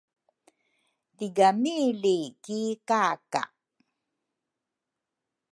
Tigami li ki kaka